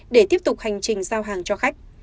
để tiếp tục hành trình giao hàng cho khách